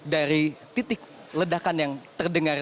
dari titik ledakan yang terdengar